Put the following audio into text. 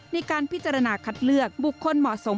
ในการพิจารณาคัดเลือกบุคคลเหมาะสม